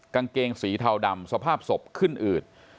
กางเกงสีเทาดำสภาพศพขึ้นอืด